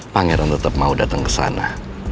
pangeran tetep mau dateng kesana